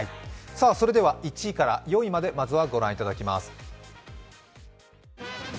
それでは１位から４位までまずは御覧いただきます。